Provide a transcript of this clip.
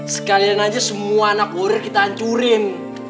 sekalian aja semua anak kurir kita hancurin